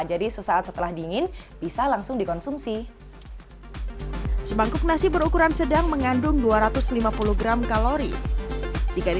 jadi sesaat setelah dingin bisa langsung dikonsumsi sebangkuk nasi berukuran sedang mengandung dua ratus lima puluh gram